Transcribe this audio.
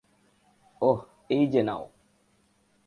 ওহ, এইযে নাও।